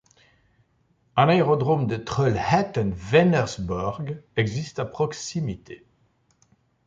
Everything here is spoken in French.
Un aérodrome de Trollhättan–Vänersborg existe à proximité.